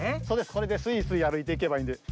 それでスイスイあるいていけばいいんです。